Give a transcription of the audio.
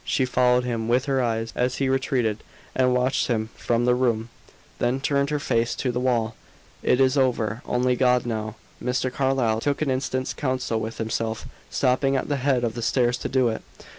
She followed him with her eyes as he retreated, and watched him from the room: then turned her face to the wall. "It is over. Only God now." Mr. Carlyle took an instant's counsel with himself, stopping at the head of the stairs to do it.